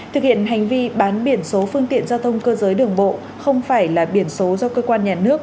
thực hiện hành vi bán biển số phương tiện giao thông cơ giới đường bộ không phải là biển số do cơ quan nhà nước